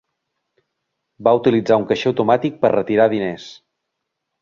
Va utilitzar un caixer automàtic per retirar diners.